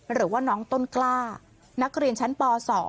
หรือว่าน้องต้นกล้านักเรียนชั้นป๒